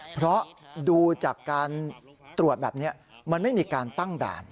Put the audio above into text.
เพราะดูจากการตรวจแบบนี้มันไม่มีการตั้งด่าน